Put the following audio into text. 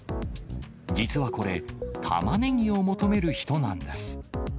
実はこれ、タマネギを求める人なんです。